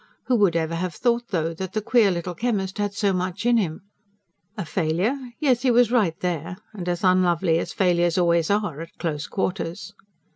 "Who would ever have thought, though, that the queer little chemist had so much in him? A failure? ... yes, he was right there; and as unlovely as failures always are at close quarters."